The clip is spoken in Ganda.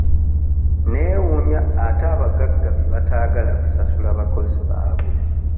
Neewuunya ate abagagga be bataagala kusasula bakozi baabwe.